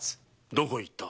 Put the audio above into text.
どこへ行った？